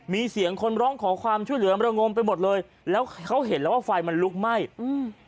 มีเสียงคนร้องขอความช่วยเหลือมระงมไปหมดเลยแล้วเขาเห็นแล้วว่าไฟมันลุกไหม้อืม